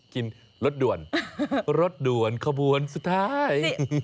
กินรถด่วนรถด่วนขบวนสุดท้าย